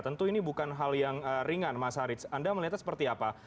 tentu ini bukan hal yang ringan mas haris anda melihatnya seperti apa